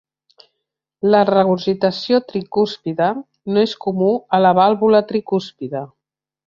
La regurgitació tricúspide no és comú a la vàlvula tricúspide.